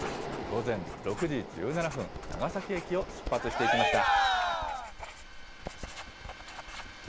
午前６時１７分、長崎駅を出発していきました。